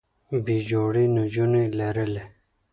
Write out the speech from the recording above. بې جوړې نجونې لرلې